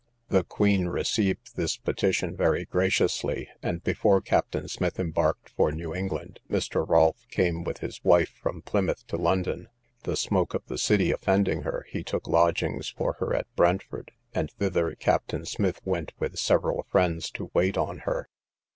The queen received this petition very graciously; and before Captain Smith embarked for New England, Mr. Rolfe came with his wife from Plymouth to London. The smoke of the city offending her, he took lodgings for her at Brentford, and thither Captain Smith went with several friends to wait on her.